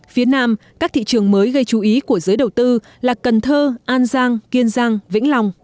phía nam các thị trường mới gây chú ý của giới đầu tư là cần thơ an giang kiên giang vĩnh long